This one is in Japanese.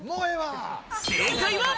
正解は。